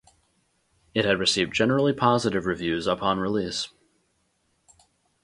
It had received generally positive reviews upon release.